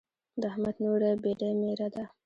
د احمد نوره بېډۍ ميره ده.